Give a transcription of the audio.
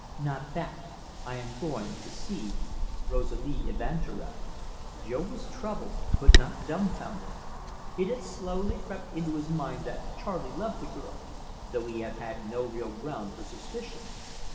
"Not that. I am going to see Rosalie Evanturel." Jo was troubled but not dumfounded. It had slowly crept into his mind that Charley loved the girl, though he had no real ground for suspicion.